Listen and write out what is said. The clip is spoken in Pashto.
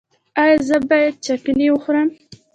ایا زه باید چکنی وخورم؟